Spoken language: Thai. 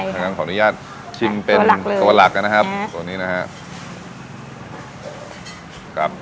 ใช่ค่ะขออนุญาตชิมเป็นตัวหลักเลยนะครับตัวนี้นะฮะ